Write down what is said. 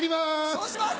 そうします。